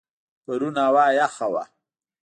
پرون هوا یخه وه.